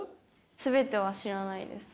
全ては知らないです。